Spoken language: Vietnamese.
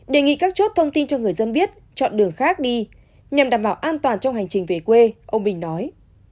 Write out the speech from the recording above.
đề nghị các chốt thông tin cho người dân biết chọn đường khác đi nhằm đảm bảo an toàn trong hành trình về quê ông bình nói